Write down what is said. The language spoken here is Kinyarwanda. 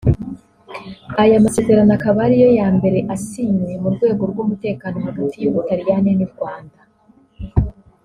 Aya masezerano akaba ariyo ya mbere asinywe mu rwego rw’umutekano hagati y’Ubutaliyani n’u Rwanda